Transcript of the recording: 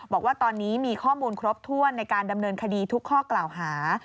บอกว่าตอนนี้มีข้อมูลครบถ้วนในการดำเนินคดีทุกข้อกล่าวหา